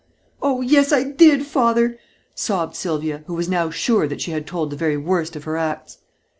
"Oh, yes, I did, Father," sobbed Sylvia, who was now sure that she had told the very worst of her acts.